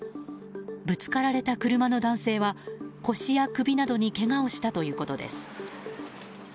ぶつかられた車の男性は腰や首などにけがをしたということです。